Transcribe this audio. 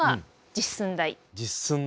実寸大。